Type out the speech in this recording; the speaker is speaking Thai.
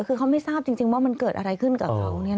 คือเขาไม่ทราบจริงว่ามันเกิดอะไรขึ้นกับเขา